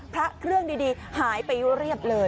พระเครื่องดีหายไปเรียบเลย